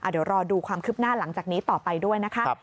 เดี๋ยวรอดูความคืบหน้าหลังจากนี้ต่อไปด้วยนะคะ